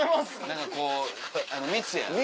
何かこう密やね。